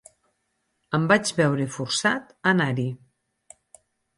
Em vaig veure forçat a anar-hi.